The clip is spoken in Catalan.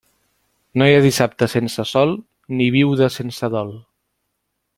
No hi ha dissabte sense sol, ni viuda sense dol.